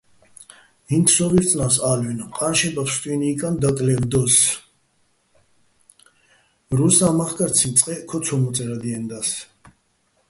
ინც სო ვი́რწნა́ს ალვინ, ყა́ნშება ფსტუჲნო̆ ჲიკაჼ დაკლე́ვდო́ს, რუსა́ მახკარციჼ წყეჸ ქო ცო მოწე́რადიენდა́ს.